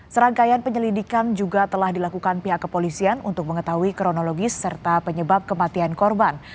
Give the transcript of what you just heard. serangkaian penyelidikan juga telah dilakukan pihak kepolisian untuk mengetahui kronologis serta penyebab kematian korban